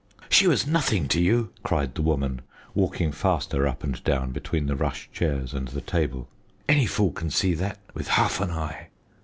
"She was nothing to you!" cried the woman, walking faster up and down between the rush chairs and the table; "any fool can see that with half an eye.